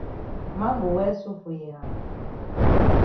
Man go well so for yi hand?